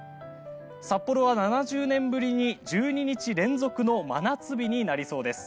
札幌は７０年ぶりに１２日連続の真夏日になりそうです。